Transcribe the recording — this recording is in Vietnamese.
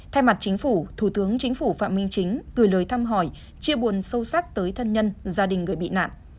thay mặt chính phủ thủ tướng chính phủ phạm minh chính gửi lời thăm hỏi chia buồn sâu sắc tới thân nhân gia đình người bị nạn